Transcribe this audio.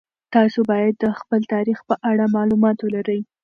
تاسو باید د خپل تاریخ په اړه مالومات ولرئ.